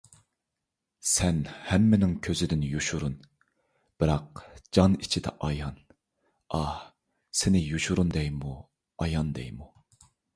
سەن ھەممىنىڭ كۆزىدىن يوشۇرۇن، بىراق جان ئىچىدە ئايان، ئاھ، سېنى يوشۇرۇن دەيمۇ، ئايان دەيمۇ؟